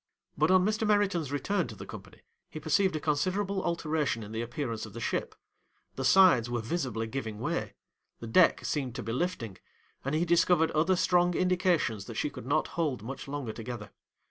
'But on Mr. Meriton's return to the company, he perceived a considerable alteration in the appearance of the ship; the sides were visibly giving way; the deck seemed to be lifting, and he discovered other strong indications that she could not hold much longer together.